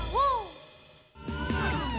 pus itu anggap sengaja